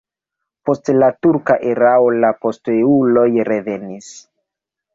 Post la turka erao la posteuloj revenis.